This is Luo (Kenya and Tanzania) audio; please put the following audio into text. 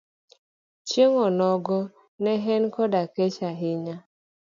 Chieng' onogo ne en koda kech ahinya.